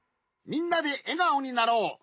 みんなでえがおになろう！